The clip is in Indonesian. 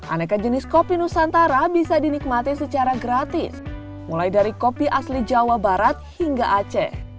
aneka jenis kopi nusantara bisa dinikmati secara gratis mulai dari kopi asli jawa barat hingga aceh